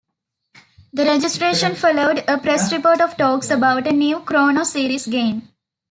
The registration followed a press report of talks about a new "Chrono" series game.